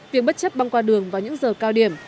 việc bất chấp băng qua đường vào những giờ cao điểm